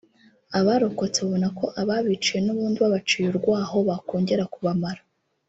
abarokotse babona ko ababiciye n’ubundi babaciye urwaho bakongera kubamara